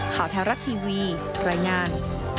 ข่าวแท้รัฐทีวีรายงาน